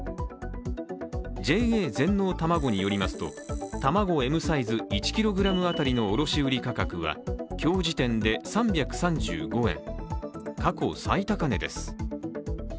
ＪＡ全農たまごによりますと、たまごＭサイズ１ｋｇ当たりの卸売価格は今日時点で３３５円、過去最高値です。